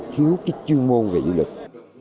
thiếu cái chuyên môn về du lịch